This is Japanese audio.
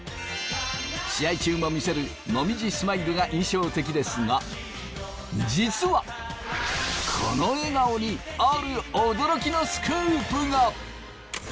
試合中も見せるスマイルが印象的ですが実はこの笑顔にある驚きのスクープが！